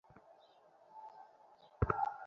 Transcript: যেমন দেখা যাচ্ছে এটা আসলে সেরকম না!